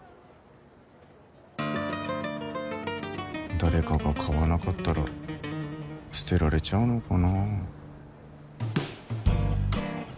誰かが買わなかったら捨てられちゃうのかな。